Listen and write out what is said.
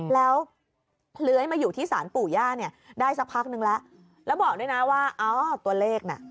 แล้วเลื้อยมาอยู่ที่ศาลปู่ย่าเนี่ยได้สักพักนึงแล้วแล้วบอกด้วยนะว่าอ้าวตัวเลขน่ะ